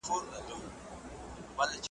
له لاهور تر پاني پټه غلیمان مي تار په تار کې `